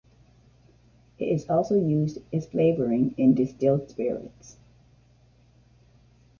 It is also used as flavoring in distilled spirits.